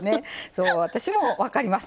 そう私も分かります